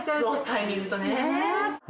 タイミングとね」